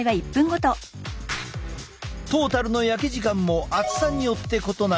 トータルの焼き時間も厚さによって異なる。